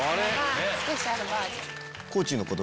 スペシャルバージョン。